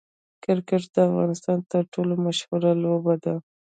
کرکټ د افغانستان تر ټولو مشهوره لوبه ده.